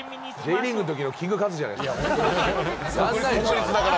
Ｊリーグのときのキングカズじゃないですか。